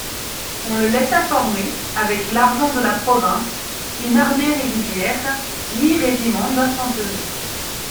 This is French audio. On le laissa former, avec l'argent de la province, une armée régulière, huit régiments d'infanterie.